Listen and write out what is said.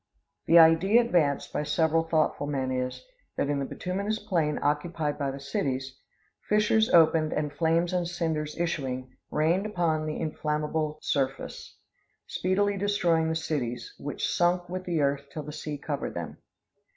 The idea advanced by several thoughtful men is, that in the bituminous plain occupied by the cities, fissures opened and flames and cinders issuing, rained upon the inflammable surface, speedily destroying the cities, which sunk with the earth till the sea covered them.